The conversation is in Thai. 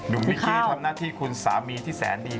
วิกกี้ทำหน้าที่คุณสามีที่แสนดี